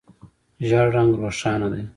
ژېړ رنګ روښانه دی.